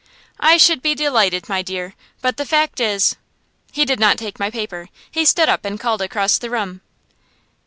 "I should be delighted, my dear, but the fact is " He did not take my paper. He stood up and called across the room.